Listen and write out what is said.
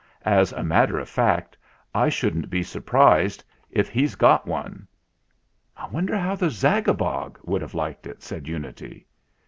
"As a matter of fact I shouldn't be surprised if he's got one." "I wonder how the Zagabog would have liked it ?" said Unity.